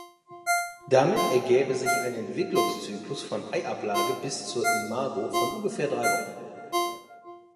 Damit ergäbe sich ein Entwicklungszyklus von Eiablage bis zur Imago von ungefähr drei Wochen.